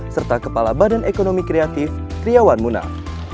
serta kepala badan ekonomi kreatif kriawan munah